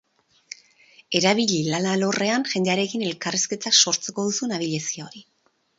Erabili lan alorrean jendearekin elkarrizketak sortzeko duzun abilezia hori.